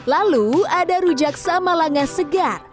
lalu ada rujak sama langa segar